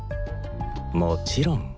もちろん。